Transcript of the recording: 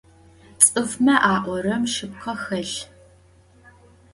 Ts'ıfme a'orem şsıpkhe xhelh.